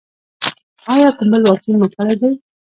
ایا کوم بل واکسین مو کړی دی؟